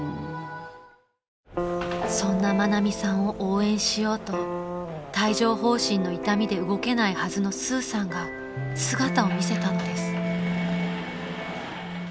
［そんな愛美さんを応援しようと帯状疱疹の痛みで動けないはずのスーさんが姿を見せたのです］